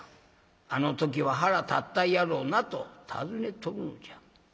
あの時は腹立ったやろなと尋ねとるんじゃ」。